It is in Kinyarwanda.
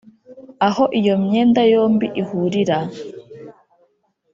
Aho iyo myenda yombi ihurira